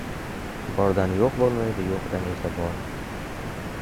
Bordan yo‘q bo‘lmaydi, yo‘qdan esa bor.